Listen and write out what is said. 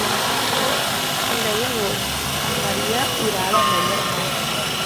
El deu d'agost en Maria irà a l'Ametlla de Mar.